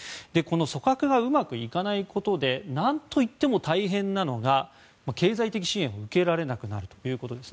組閣がうまくいかないことで何といっても大変なのが経済的支援を受けられなくなるということです。